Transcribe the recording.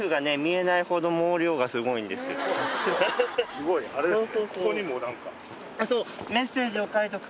すごいあれですね。